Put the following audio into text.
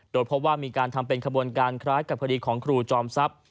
โดยพบว่ามีการทำเป็นขบวนการคล้ายกับคดีของครูจอมทรัพย์